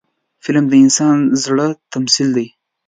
فلم د انسان د زړه تمثیل دی